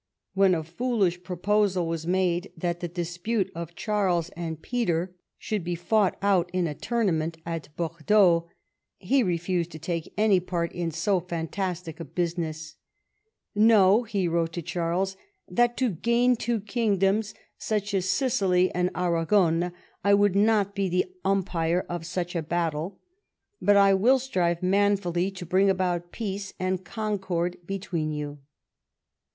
When a foolish proposal was made that the dispute of Charles and Peter should V EDWARD S CONTINENTAL POLICY 99 be fought out in a tournament at Bordeaux, he refused to take any part in so fantastic a business. " Know," he Avrote to Charles, "that to gain two kingdoms such as Sicily and Aragon I would not be the umpire of such a battle ; but I will strive manfully to bring about peace and concord between you."